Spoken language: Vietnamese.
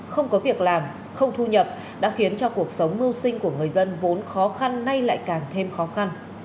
không có việc làm không thu nhập đã khiến cho cuộc sống mưu sinh của người dân vốn khó khăn nay lại càng thêm khó khăn